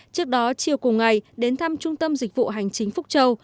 trước đó chiều cùng ngày đến thăm trung tâm dịch vụ hành chính phúc châu